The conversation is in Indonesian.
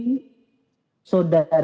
diperlukan secara detail dan teliti